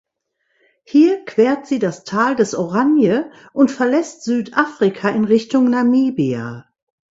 Hier quert sie das Tal des Oranje und verlässt Südafrika in Richtung Namibia.